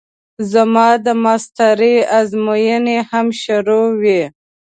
زما د ماسټرۍ ازموينې هم شروع وې.